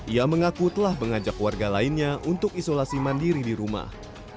ia mengaku telah mengajak warga lainnya untuk isolasi mandiri di rumah